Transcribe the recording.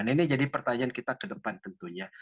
nah ini jadi pertanyaan kita ke depan tentunya